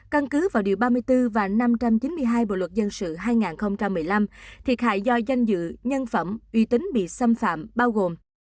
căn cứ vào điều ba mươi bốn và năm trăm chín mươi hai bộ luật dân sự hai nghìn một mươi năm thiệt hại do danh dự nhân phẩm uy tín bị xâm phạm bao gồm